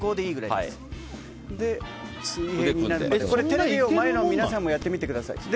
テレビの前の皆さんもやってみてください。